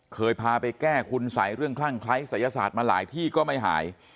เคยพาไปแก้คุณสัยเรื่องคลั่งคล้ายศัยศาสตร์มาหลายที่ก็ไม่หาย